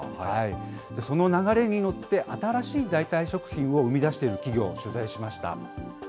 その流れに乗って、新しい代替食品を生み出している企業を取材しました。